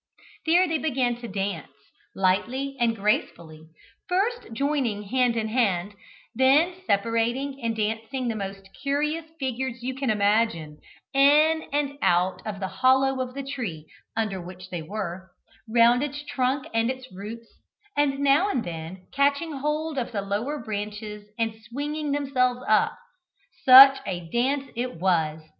There they began to dance, lightly and gracefully, first joining hand in hand, then separating and dancing the most curious figures you can imagine, in and out of the hollow of the tree under which they were, round its trunk and its roots, and now and then catching hold of the lower branches and swinging themselves up. Such a dance it was!